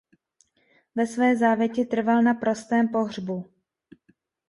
Ve své závěti trval na prostém pohřbu.